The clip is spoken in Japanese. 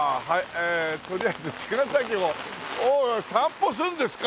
ええ取りあえず茅ヶ崎をおいおい散歩するんですか！？